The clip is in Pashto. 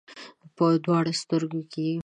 په دواړو سترګو کې یې